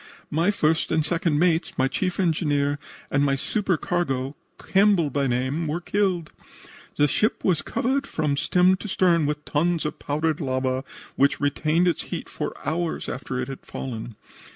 My first and second mates, my chief engineer and my supercargo, Campbell by name, were killed. The ship was covered from stem to stern with tons of powdered lava, which retained its heat for hours after it had fallen.